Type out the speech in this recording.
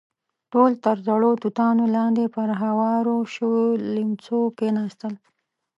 ټول تر زړو توتانو لاندې پر هوارو شويو ليمڅيو کېناستل.